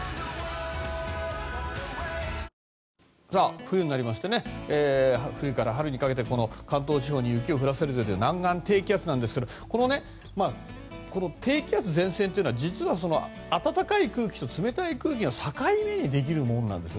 冬になりまして冬から春にかけて関東地方に雪を降らせるという南岸低気圧なんですけれどもこの低気圧、前線というのは実は暖かい空気と冷たい空気の境目にできるものなんですよ。